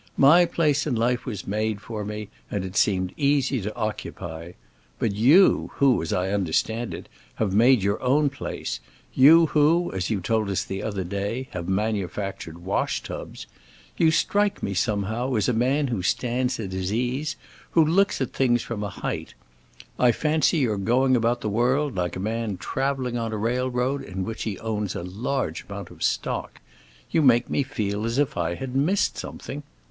My place in life was made for me, and it seemed easy to occupy it. But you who, as I understand it, have made your own place, you who, as you told us the other day, have manufactured wash tubs—you strike me, somehow, as a man who stands at his ease, who looks at things from a height. I fancy you going about the world like a man traveling on a railroad in which he owns a large amount of stock. You make me feel as if I had missed something.